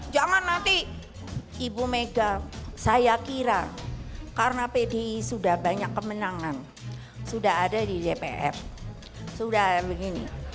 jangan nanti ibu mega saya kira karena pdi sudah banyak kemenangan sudah ada di dpr sudah begini